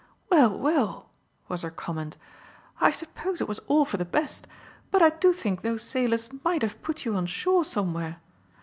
"Well, well," was her comment, "I suppose it was all for the best, but I do think those sailors might have put you on shore somewhere.